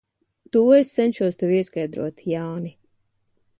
To es cenšos tev ieskaidrot, Jāni.